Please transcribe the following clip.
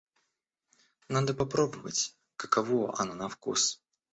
Надо попробовать, каково оно на вкус.